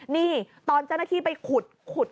นี่ตอนเจ้าหน้าที่ไปขุด